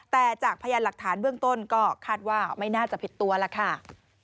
แต่จากพยานหลักฐานเบื้องต้นก็คาดว่าไม่น่าจะผิดตัวล่ะค่ะ